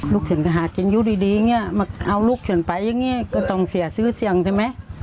ลูกฉันก็หากินยุดดีเนี่ยเอาลูกฉันไปอย่างนี้ก็ต้องเสียซื้อเสี่ยงใช่ไหม